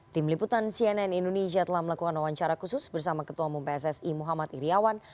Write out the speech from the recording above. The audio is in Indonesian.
tim liputan cnn indonesia telah melakukan wawancara khusus bersama ketua umum pssi muhammad iryawan